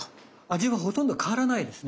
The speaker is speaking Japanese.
味はほとんど変わらないですね。